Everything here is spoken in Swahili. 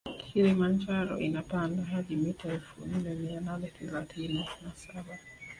Kilimanjaro inapanda hadi mita elfu nne mia nane themanini na saba